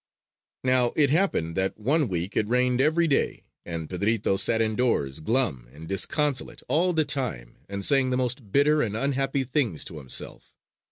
Now it happened that one week it rained every day and Pedrito sat indoors glum and disconsolate all the time, and saying the most bitter and unhappy things to himself.